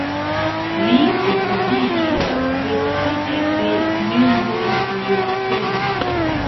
Li okupiĝis precipe pri nervoj kaj cerbo.